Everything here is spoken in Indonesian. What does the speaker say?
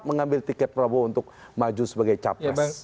mengambil tiket prabowo untuk maju sebagai capres